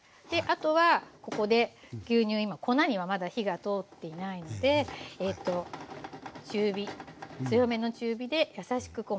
であとはここで牛乳今粉にはまだ火が通っていないので強めの中火でやさしく